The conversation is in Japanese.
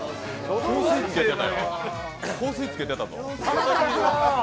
香水つけてたぞ。